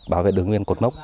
bảo vệ đường nguyên cột mốc